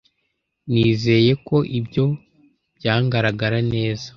Nizeye ko ibyo byangaragara neza.